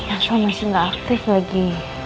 masa masih gak aktif lagi